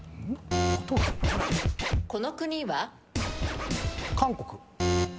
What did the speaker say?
この国は？韓国。